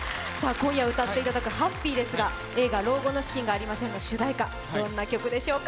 今夜歌っていただく「Ｈａｐｐｙ！」ですが映画「老後の資金がありません！」の主題歌、どんな曲でしょうか？